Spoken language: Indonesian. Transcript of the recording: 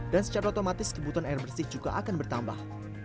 dan secara otomatis kebutuhan air bersih juga akan bertambah